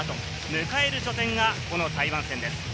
迎える初戦がこの台湾戦です。